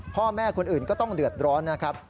พ่อแม่คนอื่นก็ต้องเดือดร้อนนะครับ